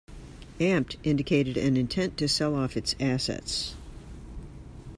Amp'd indicated an intent to sell off its assets.